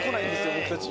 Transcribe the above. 僕たち。